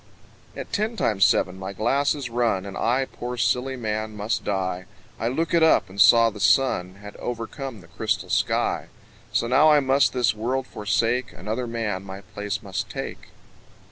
At ten times seven my glass is run, And I poor silly man must die; I lookèd up, and saw the sun Had overcome the crystal sky. So now I must this world forsake, Another man my place must take.